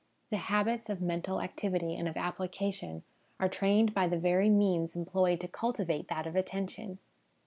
The habits of mental activity and of application are trained by the very means employed to cultivate that of attention.